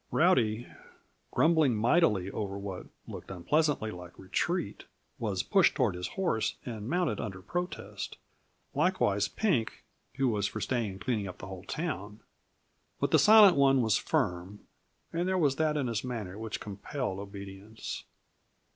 Rowdy, grumbling mightily over what looked unpleasantly like retreat, was pushed toward his horse and mounted under protest. Likewise Pink, who was for staying and cleaning up the whole town. But the Silent One was firm, and there was that in his manner which compelled obedience.